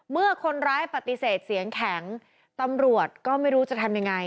เมื่อคนร้ายปฏิเสธเสียงแข็งตำรวจก็ไม่รู้จะทำยังไง